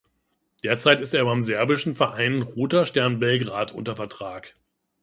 Derzeit ist er beim serbischen Verein Roter Stern Belgrad unter Vertrag.